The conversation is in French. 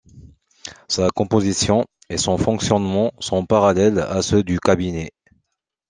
Sa composition et son fonctionnement sont parallèles à ceux du Cabinet.